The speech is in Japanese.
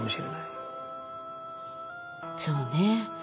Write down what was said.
そうね。